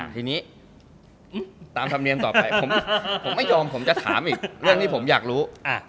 ทีนี้ตามธรรมเนียมต่อไปผมไม่ยอมผมจะถามอีกเรื่องที่ผมอยากรู้